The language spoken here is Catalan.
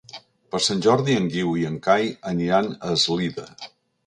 Per Sant Jordi en Guiu i en Cai aniran a Eslida.